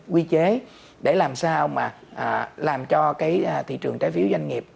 quy chế để làm sao mà làm cho cái thị trường trái phiếu doanh nghiệp